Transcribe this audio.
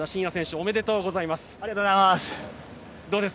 おめでとうございます。